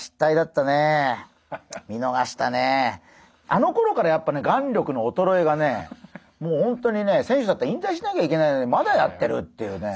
あのころからやっぱね眼力のおとろえがねもうホントにね選手だったら引退しなきゃいけないのにまだやってるっていうね。